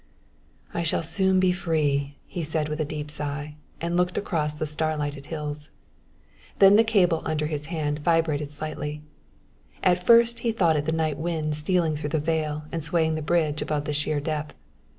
"I shall soon be free," he said with a deep sigh; and looked across the starlighted hills. Then the cable under his hand vibrated slightly; at first he thought it the night wind stealing through the vale and swaying the bridge above the sheer depth.